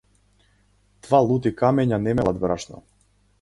Два лути камења не мелат брашно.